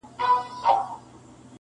بو ډا تللی دی پر لار د پخوانیو-